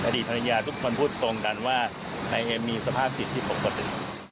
อดีตภรรยาทุกคนพูดตรงกันว่านายเอ็มมีสภาพจิตที่ปกติ